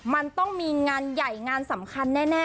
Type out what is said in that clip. มันต้องมีงานใหญ่งานสำคัญแน่